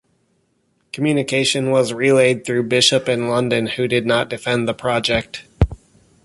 Communication was relayed through Bishop in London, who did not defend the project.